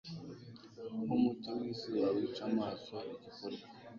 nkumucyo wizuba wica amaso.igikorwa